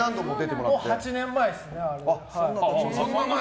もう８年前ですね。